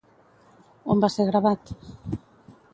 On va ser gravat?